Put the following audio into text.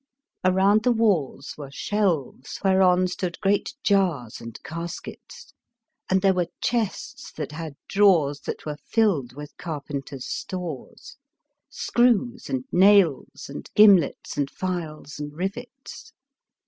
Around the walls were shelves whereon stood great jars and caskets, and there were chests that had drawers that were filled with carpenter's stores, — screws and nails and gimlets and files and rivets.